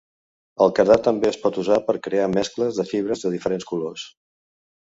El cardat també es pot usar per crear mescles de fibres de diferents colors.